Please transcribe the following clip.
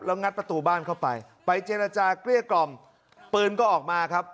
งัดประตูบ้านเข้าไปไปเจรจาเกลี้ยกล่อมปืนก็ออกมาครับ